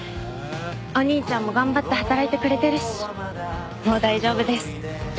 お兄ちゃんも頑張って働いてくれてるしもう大丈夫です。